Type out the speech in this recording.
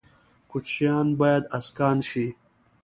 کوچیان باید اسکان شي